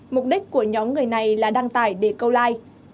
mục đích của nhóm người này là đăng tải để câu like